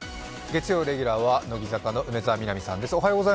月曜レギュラーは乃木坂の梅澤美波さんです。